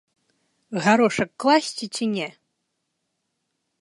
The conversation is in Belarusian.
Гарошак класці ці не?